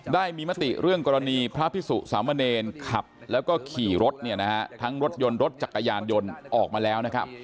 ได้มีมติเรื่องกรณีพระพิสุสามเณรขับแล้วก็ขี่รถเนี่ยนะฮะทั้งรถยนต์รถจักรยานยนต์ออกมาแล้วนะครับ